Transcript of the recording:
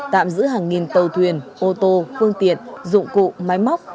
tạm giữ hàng nghìn tàu thuyền ô tô phương tiện dụng cụ máy móc